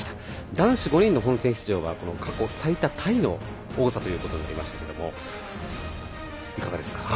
男子５人の本戦出場は過去最多タイの多さとなりましたがいかがですか？